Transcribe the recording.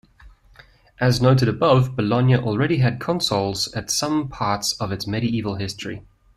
As noted above, Bologna already had consuls at some parts of its Medieval history.